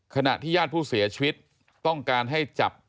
ขณะที่ญาติผู้เสียชีวิตต้องการให้จับ